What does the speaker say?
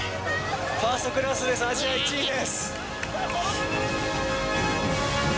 ファーストクラスです、アジア１位で。